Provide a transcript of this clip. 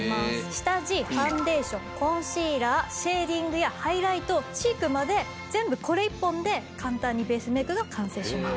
下地ファンデーションコンシーラーシェーディングやハイライトチークまで全部これ１本で簡単にベースメイクが完成します。